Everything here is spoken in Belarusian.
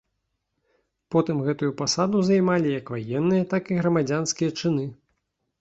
Потым гэтую пасаду займалі як ваенныя, так і грамадзянскія чыны.